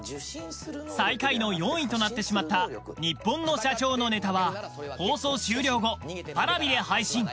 最下位の４位となってしまったニッポンの社長のネタは放送終了後Ｐａｒａｖｉで配信！